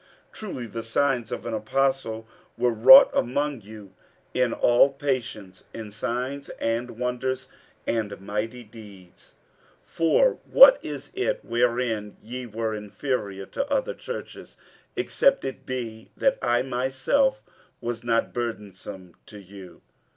47:012:012 Truly the signs of an apostle were wrought among you in all patience, in signs, and wonders, and mighty deeds. 47:012:013 For what is it wherein ye were inferior to other churches, except it be that I myself was not burdensome to you?